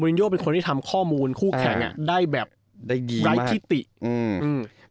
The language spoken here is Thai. โยเป็นคนที่ทำข้อมูลคู่แข่งอ่ะได้แบบได้ดีไร้ที่ติอืมอืม